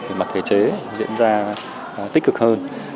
về mặt thể chế diễn ra tích cực hơn